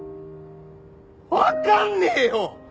わかんねえよ！